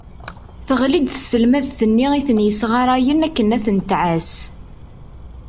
Teɣli-d taselmadt-nni i ten-yesɣarayen akken ad ten-tɛas.